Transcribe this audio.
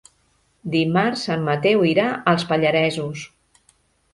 Dimarts en Mateu irà als Pallaresos.